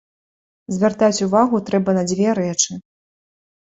Звяртаць увагу трэба на дзве рэчы.